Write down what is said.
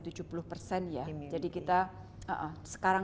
jadi kita sekarang pun kan sebenarnya kalau dosis pertama